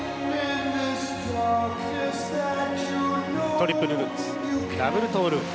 トリプルルッツダブルトーループ。